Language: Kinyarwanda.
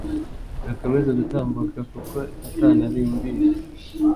dukomeze gutambuka kuko satani arindira